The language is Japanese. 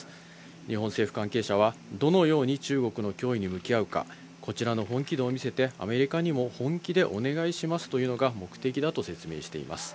日本政府関係者は、どのように中国の脅威に向き合うか、こちらの本気度を見せて、アメリカにも本気でお願いしますというのが目的だと説明しています。